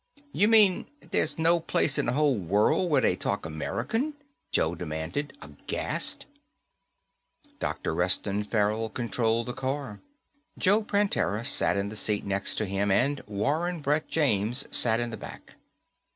"You mean there's no place in the whole world where they talk American?" Joe demanded, aghast. Dr. Reston Farrell controlled the car. Joe Prantera sat in the seat next to him and Warren Brett James sat in the back.